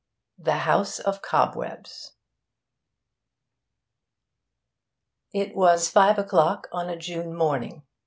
] THE HOUSE OF COBWEBS It was five o'clock on a June morning.